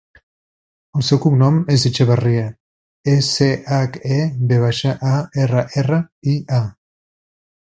El seu cognom és Echevarria: e, ce, hac, e, ve baixa, a, erra, erra, i, a.